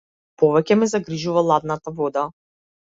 Повеќе ме загрижува ладната вода.